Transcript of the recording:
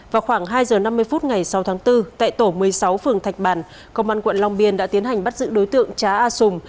vào khoảng hai giờ năm mươi phút ngày sáu tháng bốn tại tổ một mươi sáu phường thạch bàn công an quận long biên đã tiến hành bắt giữ đối tượng trá a sùng